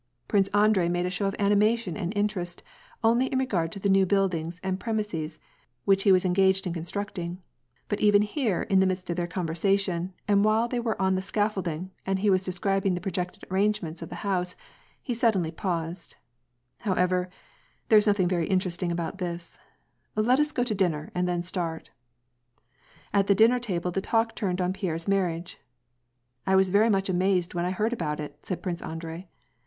Prince Andrei made a show of animation and interest only in regard to the new buildings and premises which he was en gaged in constructing ; but even here in the midst of their con versation, and while they were on the scaffolding, and he was describing the projected arrangements of the house, he sud denly paused :" However, there is nothing very interesting about this ; let us go to dinner and then start." At the din ner table the talk turned on Pierre's marriage. ''I was very much amazed when I heard about it/' said Prince Andrei.